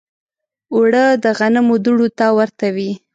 اوړه د غنمو دوړو ته ورته وي